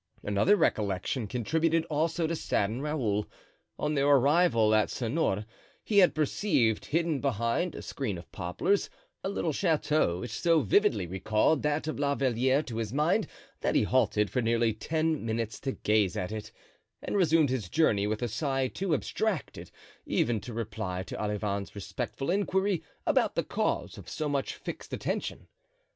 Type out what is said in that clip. Another recollection contributed also to sadden Raoul: on their arrival at Sonores he had perceived, hidden behind a screen of poplars, a little chateau which so vividly recalled that of La Valliere to his mind that he halted for nearly ten minutes to gaze at it, and resumed his journey with a sigh too abstracted even to reply to Olivain's respectful inquiry about the cause of so much fixed attention.